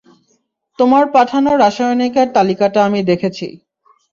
তোমার পাঠানো রাসায়নিকের তালিকাটা আমি দেখেছি।